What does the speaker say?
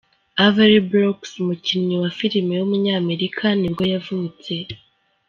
Avery Brooks, umukinnyi wa film w’umunyamerika ni bwo yavutse.